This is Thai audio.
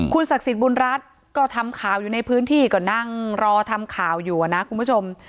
ศักดิ์สิทธิ์บุญรัฐก็ทำข่าวอยู่ในพื้นที่ก็นั่งรอทำข่าวอยู่นะคุณผู้ชม